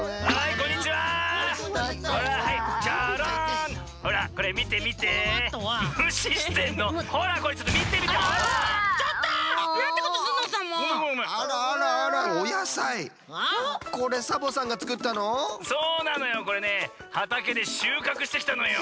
これねはたけでしゅうかくしてきたのよ。